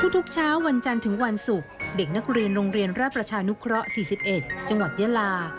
ทุกเช้าวันจันทร์ถึงวันศุกร์เด็กนักเรียนโรงเรียนราชประชานุเคราะห์๔๑จังหวัดยาลา